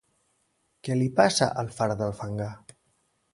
Què li passa al far del fangar?